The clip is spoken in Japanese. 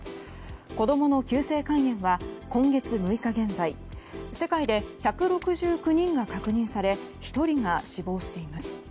子供の急性肝炎は今月６日現在世界で１６９人が確認され１人が死亡しています。